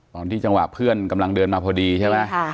จังหวะเพื่อนกำลังเดินมาพอดีใช่ไหม